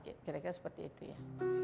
kira kira seperti itu ya